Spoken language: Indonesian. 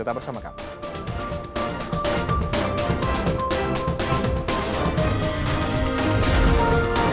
tetap bersama kami